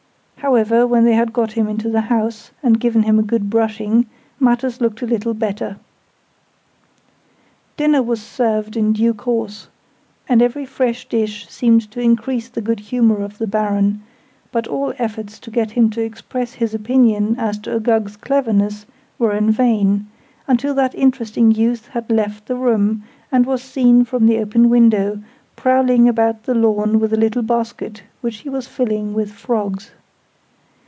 However, when they had got him into the house, and given him a good brushing, matters looked a little better. Dinner was served in due course, and every fresh dish seemed to increase the good humour of the Baron: but all efforts, to get him to express his opinion as to Uggug's cleverness, were in vain, until that interesting youth had left the room, and was seen from the open window, prowling about the lawn with a little basket, which he was filling with frogs.